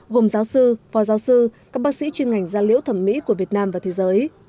gồm giáo sư phò giáo sư các bác sĩ chuyên ngành da liễu thẩm mỹ của việt nam và thế giới